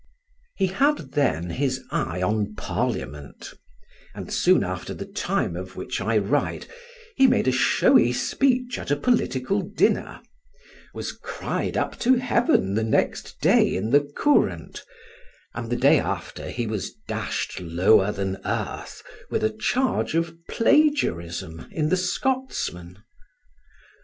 He had then his eye on Parliament; and soon after the time of which I write, he made a showy speech at a political dinner, was cried up to heaven next day in the Courant, and the day after was dashed lower than earth with a charge of plagiarism in the Scotsman.